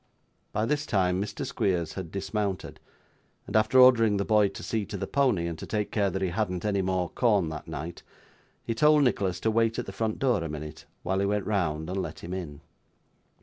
By this time Mr. Squeers had dismounted; and after ordering the boy to see to the pony, and to take care that he hadn't any more corn that night, he told Nicholas to wait at the front door a minute while he went round and let him in.